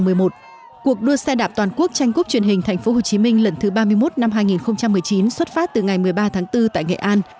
cuộc đua xe đạp toàn quốc tranh cúp truyền hình tp hcm lần thứ ba mươi một năm hai nghìn một mươi chín xuất phát từ ngày một mươi ba tháng bốn tại nghệ an